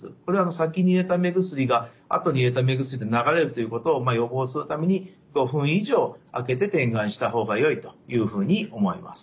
先に入れた目薬が後に入れた目薬で流れるということを予防するために５分以上あけて点眼した方がよいというふうに思います。